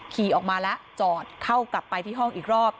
ขี่ออกมาแล้วจอดเข้ากลับไปที่ห้องอีกรอบ